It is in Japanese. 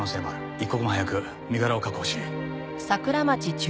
一刻も早く身柄を確保し。